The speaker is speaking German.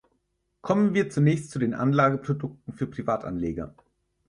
Kommen wir zunächst zu den Anlageprodukten für Privatanleger.